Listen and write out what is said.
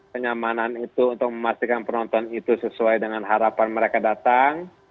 kenyamanan itu untuk memastikan penonton itu sesuai dengan harapan mereka datang